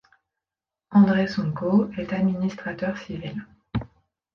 André Sonko est administrateur civil.